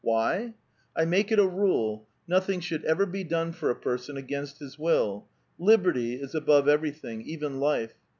Why ? I make it a rule, nothing should ever be done for a person against his will ; liberty is above everything, even life.